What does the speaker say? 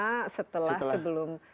pertama setelah sebelum